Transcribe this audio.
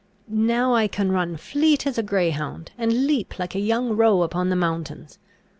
Now I can run fleet as a greyhound, and leap like a young roe upon the mountains.